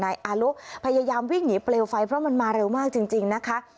อารุพยายามวิ่งหนีเปลวไฟเพราะมันมาเร็วมากจริงนะคะ